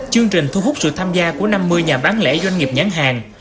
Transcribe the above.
chương trình thu hút sự tham gia của năm mươi nhà bán lễ doanh nghiệp nhắn hàng